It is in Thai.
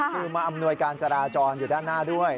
คือมาอำนวยการจราจรอยู่ด้านหน้าด้วย